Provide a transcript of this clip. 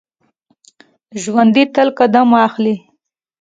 ژوندي تل قدم اخلي